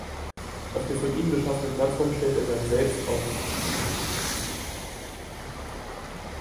Auf der von ihm geschaffenen Plattform stellt er sein Selbst aus.